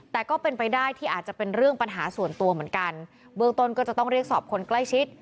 แต่ก็เป็นไปได้ที่อาจจะเป็นเรื่องปัญหาส่วนตัวเหมือนกันเบื้องต้นก็จะต้องเรียกสอบคนใกล้ชิด